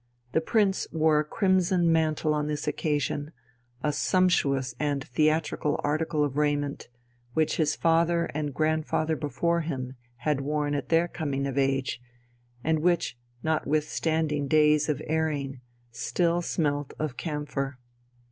The Prince wore a crimson mantle on this occasion, a sumptuous and theatrical article of raiment, which his father and grandfather before him had worn at their coming of age, and which notwithstanding days of airing, still smelt of camphor.